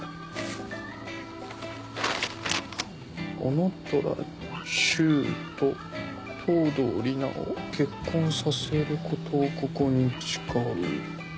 「男虎柊と藤堂莉奈を結婚させることをここに誓う」。